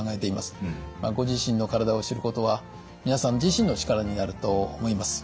ご自身の体を知ることは皆さん自身の力になると思います。